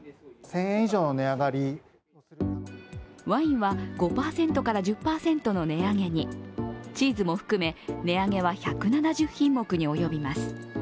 ワインは５％から１０％の値上げにチーズも含め値上げは１７０品目に及びます。